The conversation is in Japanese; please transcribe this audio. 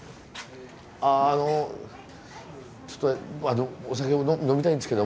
あのちょっとお酒を呑みたいんですけども。